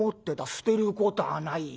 捨てることはないよ。